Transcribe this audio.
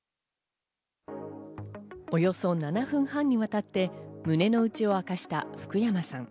およそ７分半にわたって胸の内を明かした福山さん。